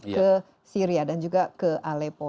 ke syria dan juga ke alepo